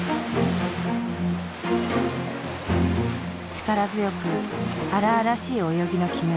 力強く荒々しい泳ぎの木村。